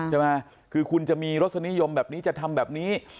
ใช่ไหมคือคุณจะมีรสนิยมแบบนี้จะทำแบบนี้